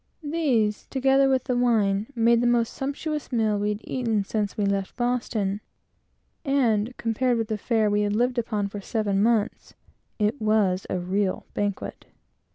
These, together with the wine, made the most sumptuous meal we had eaten since we left Boston; and, compared with the fare we had lived upon for seven months, it was a regal banquet.